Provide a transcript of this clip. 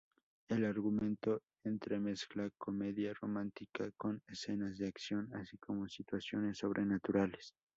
El argumento entremezcla comedia romántica con escenas de acción, así como situaciones sobrenaturales.